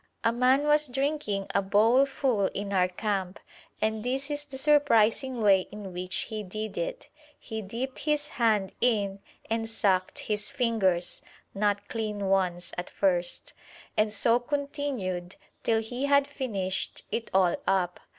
A man was drinking a bowlful in our camp, and this is the surprising way in which he did it: he dipped his hand in and sucked his fingers (not clean ones at first), and so continued till he had finished it all up.